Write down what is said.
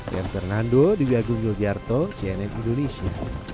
dan fernando di wg yogyarto cnn indonesia